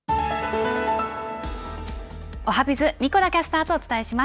おはＢｉｚ、神子田キャスターとお伝えします。